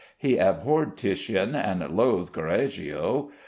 He abhorred Titian and loathed Correggio.